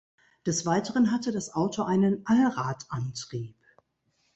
Des Weiteren hatte das Auto einen Allradantrieb.